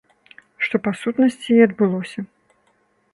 Што па сутнасці і адбылося.